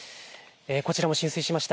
こちらも浸水しました。